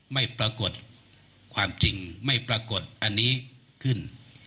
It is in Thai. ไม่ปรากฏความจริงไม่ปรากฏอันนี้ขึ้น